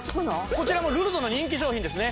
こちらもルルドの人気商品ですね